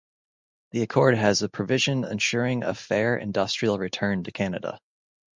The accord has a provision ensuring a fair industrial return to Canada.